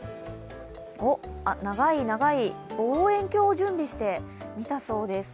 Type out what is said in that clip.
長い長い望遠鏡を準備して見たそうです。